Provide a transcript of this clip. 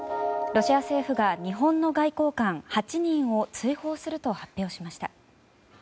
ロシア政府が日本の外交官８人を追放すると発表しました。